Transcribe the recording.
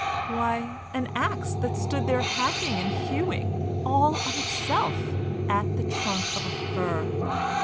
Why, an axe that stood there hacking and hewing, all of itself, at the trunk of a fir.